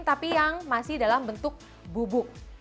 tapi yang masih dalam bentuk bubuk